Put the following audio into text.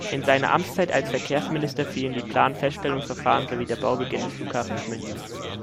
In seine Amtszeit als Verkehrsminister fielen die Planfeststellungsverfahren sowie der Baubeginn des Flughafens München.